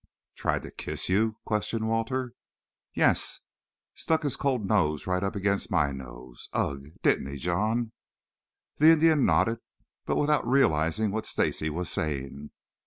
"Tried to kiss you?" questioned Walter. "Yes. Stuck his cold nose right against my nose. Ugh! Didn't he, John?" The Indian nodded, but without realizing what Stacy was saying.